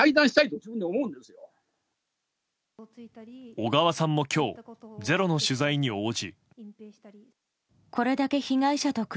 小川さんも今日「ｚｅｒｏ」の取材に応じ。